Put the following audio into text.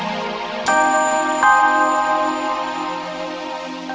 tinggi ruangan uang tangannya